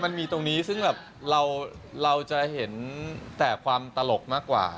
มันมีตรงนี้ซึ่งแบบเราจะเห็นแต่ความตลกมากกว่า